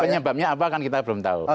penyebabnya apa kan kita belum tahu